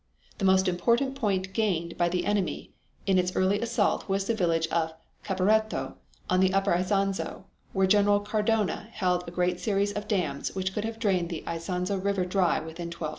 The most important point gained by the enemy in its early assault was the village of Caporetto on the Upper Isonzo where General Cadorna held a great series of dams which could have drained the Isonzo River dry within twelve hours.